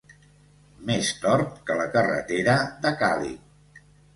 Més tort que la carretera de Càlig.